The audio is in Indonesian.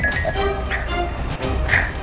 tidak ada yang bisa dihukum